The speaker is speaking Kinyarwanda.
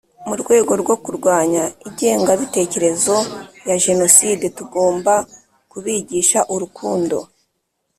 mu rwego rwo kurwanya igenga bitekerezoya jenoside tugomba kubigisha urukundo